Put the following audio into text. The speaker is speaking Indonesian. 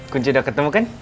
kunci udah ketemu kan